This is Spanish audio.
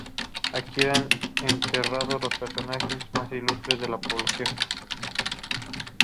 Aquí eran enterrados los personajes más ilustres de la población.